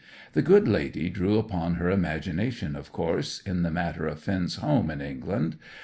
The good lady drew upon her imagination, of course, in the matter of Finn's home in England.